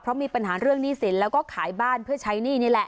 เพราะมีปัญหาเรื่องหนี้สินแล้วก็ขายบ้านเพื่อใช้หนี้นี่แหละ